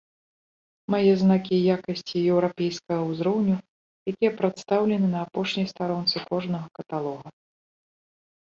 Мае знакі якасці еўрапейскага ўзроўню, якія прадстаўлены на апошняй старонцы кожнага каталога.